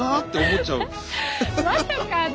まさかね。